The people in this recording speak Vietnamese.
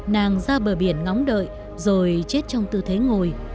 nàng ra bờ biển ngóng đợi rồi chết trong tư thế ngồi